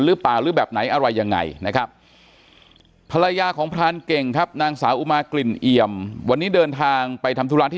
หรือเปล่าหรือแบบไหนอะไรยังไงนะครับภรรยาของพรานเก่งครับนางสาวอุมากลิ่นเอี่ยมวันนี้เดินทางไปทำธุระที่